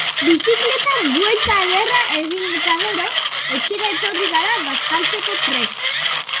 Bizikletan buelta ederra egin eta gero, etxera etorri gara bazkaltzeko prest.